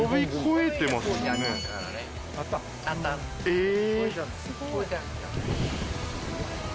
ええ！